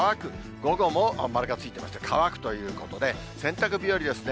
午後も丸がついてまして乾くということで、洗濯日和ですね。